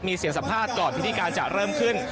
มีเสียงสัมภาษณ์ก่อนพิธีการจะเริ่มขึ้น